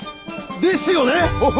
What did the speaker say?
ですよね